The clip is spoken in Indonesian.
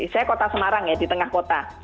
saya kota semarang ya di tengah kota